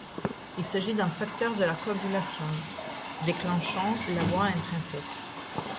Il s'agit d'un facteur de la coagulation, déclenchant la voie intrinsèque.